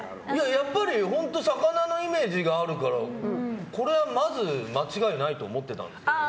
やっぱり本当魚のイメージがあるからこれはまず間違いないと思ってたんですけど。